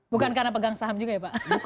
bukan karena pegang saham juga ya pak